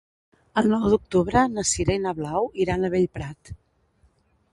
El nou d'octubre na Sira i na Blau iran a Bellprat.